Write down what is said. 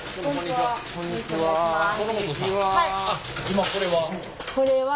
今これは？